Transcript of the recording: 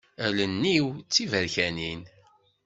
Allen-iw d tiberkanin.